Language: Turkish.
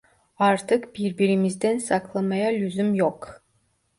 Artık birbirimizden saklamaya lüzum yok...